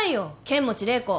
剣持麗子。